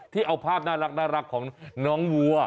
ที่เอาภาพน่ารักของน้องวัว